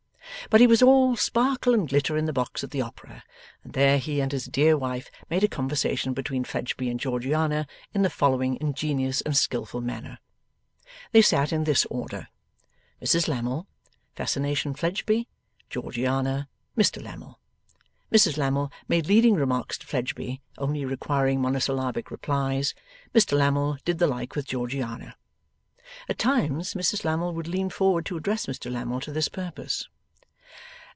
But he was all sparkle and glitter in the box at the Opera, and there he and his dear wife made a conversation between Fledgeby and Georgiana in the following ingenious and skilful manner. They sat in this order: Mrs Lammle, Fascination Fledgeby, Georgiana, Mr Lammle. Mrs Lammle made leading remarks to Fledgeby, only requiring monosyllabic replies. Mr Lammle did the like with Georgiana. At times Mrs Lammle would lean forward to address Mr Lammle to this purpose.